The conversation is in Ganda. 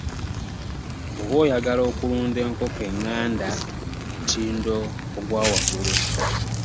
Bw’oba oyagala okulunda enkoko eŋŋanda ku mutindo ogwa waggulu.